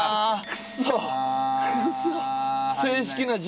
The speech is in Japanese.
クソ！